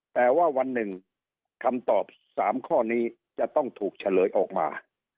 แต่ว่าวันหนึ่งคำตอบ๓ข้อนี้จะต้องถูกเฉลยออกมา